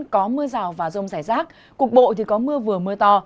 có mưa rào và rông rải rác cục bộ thì có mưa vừa mưa to